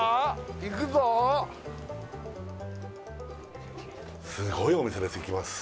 行くぞーすごいお店ですいきます